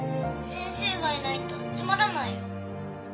先生がいないとつまらないよ。